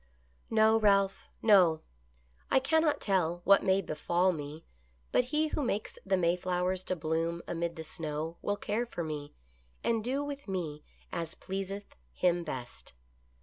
"No, Ralph, no! I cannot tell what may befall me, but He who makes the Mayflowers to bloom amid the snow will care for me, and do with me as pleaseth Him best.